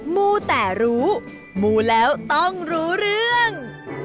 มูแต่รู้มูแล้วต้องรู้เรื่อง